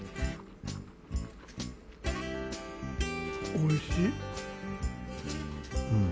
おいしい。